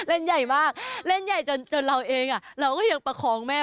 เล่นใหญ่มากเล่นใหญ่จนเราเองเราก็ยังประคองแม่